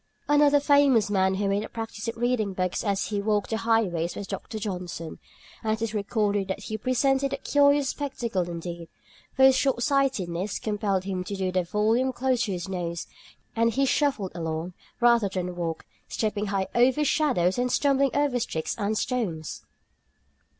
Another famous man who made a practice of reading books as he walked the highways was Dr. Johnson, and it is recorded that he presented a curious spectacle indeed, for his shortsightedness compelled him to hold the volume close to his nose, and he shuffled along, rather than walked, stepping high over shadows and stumbling over sticks and stones.